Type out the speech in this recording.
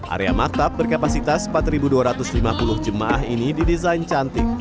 area maktab berkapasitas empat dua ratus lima puluh jemaah ini didesain cantik